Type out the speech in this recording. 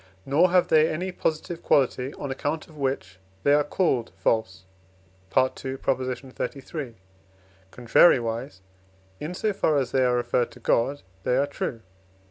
nor have they any positive quality on account of which they are called false (II. xxxiii.); contrariwise, in so far as they are referred to God, they are true (II.